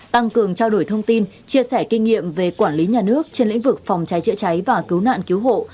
tăng cường trao đổi thông tin chia sẻ kinh nghiệm về quản lý nhà nước trên lĩnh vực phòng cháy chữa cháy và cứu nạn cứu hộ